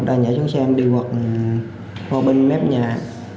đó là nhà chúng xem đi hoặc qua bên mếp nhà